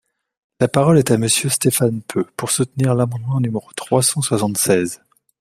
La parole est à Monsieur Stéphane Peu, pour soutenir l’amendement numéro trois cent soixante-seize.